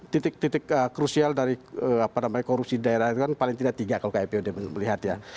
titik titik krusial dari korupsi daerah itu kan paling tidak tiga kalau kayak pud melihat ya